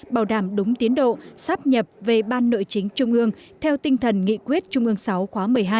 bảo đảm đúng tiến độ sắp nhập về ban nội chính trung ương theo tinh thần nghị quyết trung ương sáu khóa một mươi hai